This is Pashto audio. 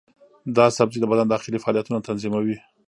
دا سبزی د بدن داخلي فعالیتونه تنظیموي.